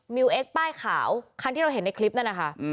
เอ็กซ์ป้ายขาวคันที่เราเห็นในคลิปนั่นนะคะ